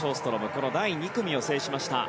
この第２組を制しました。